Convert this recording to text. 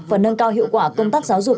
và nâng cao hiệu quả công tác giáo dục